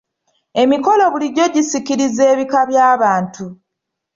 Emikolo bulijjo gisikiriza ebika by'abantu.